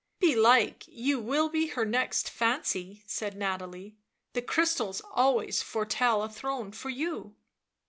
" Belike you will be her next fancy," said Nathalie ;" the crystals always foretell a throne for you."